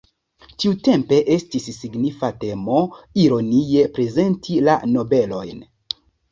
Tiutempe estis signifa temo ironie prezenti la nobelojn.